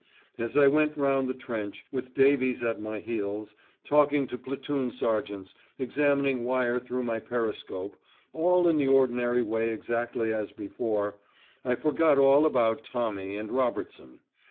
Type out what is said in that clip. As I went round the trench, with Davies at my heels, talking to platoon sergeants, examining wire through my periscope, all in the ordinary way exactly as before, I forgot all about Tommy and Robertson.